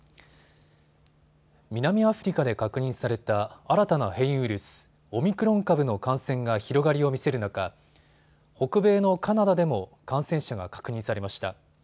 南アフリカで確認された新たな変異ウイルス、オミクロン株の感染が広がりを見せる中、北米のカナダでも感染者が確認されました。